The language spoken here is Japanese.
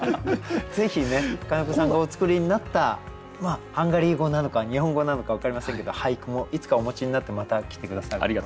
ぜひね金子さんがお作りになったハンガリー語なのか日本語なのか分かりませんけど俳句もいつかお持ちになってまた来て下さることを。